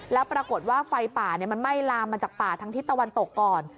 แล้วปรากฏว่าไฟป่ามันไหม้ลามมาจากป่าทางทิศตะวันตกก่อน